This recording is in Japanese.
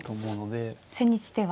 千日手は。